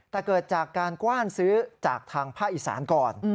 แต่เกิดจากการกว้านซื้อจากทางภาคอีสานก่อน